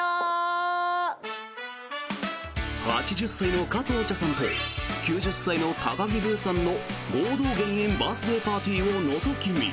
８０歳の加藤茶さんと９０歳の高木ブーさんの合同減塩バースデーパーティーをのぞき見！